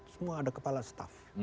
semua ada kepala staff